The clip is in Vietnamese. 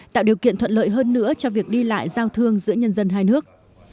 tạo điều kiện thuận lợi hơn nữa cho việc đi lại giao thương giữa nhân dân hai nước